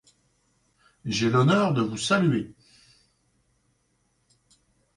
J’ai l’honneur de vous saluer.